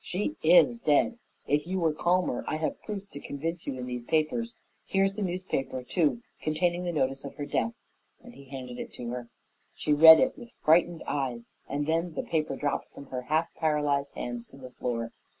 "She IS dead. If you were calmer, I have proofs to convince you in these papers. Here's the newspaper, too, containing the notice of her death," and he handed it to her. She read it with her frightened eyes, and then the paper dropped from her half paralyzed hands to the floor.